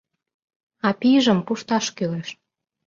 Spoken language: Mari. А пийжым пушташ кӱлеш.